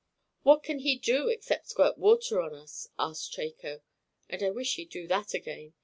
"What can he do, except squirt water on us?" asked Chako. "And I wish he'd do that again.